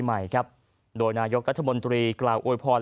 พลเอกเปรยุจจันทร์โอชานายกรัฐมนตรีพลเอกเปรยุจจันทร์โอชานายกรัฐมนตรี